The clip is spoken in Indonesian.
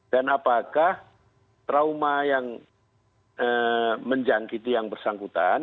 dan apakah trauma yang menjangkiti yang bersangkutan